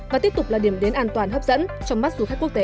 và tiếp tục là điểm đến an toàn hấp dẫn trong mắt du khách quốc tế